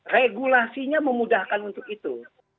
regulasinya memudahkan untuk itu